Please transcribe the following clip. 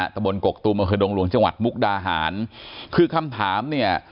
ตะบนกกตูมอำเภอดงหลวงจังหวัดมุกดาหารคือคำถามเนี่ย